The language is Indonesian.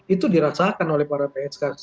itu dirasakan oleh para psk